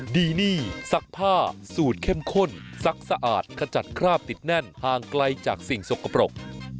ดีนี่ซักผ้าสูตรเข้มข้นซักสะอาดขจัดคราบติดแน่นห่างไกลจากสิ่งสกปรก